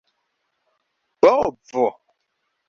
bovo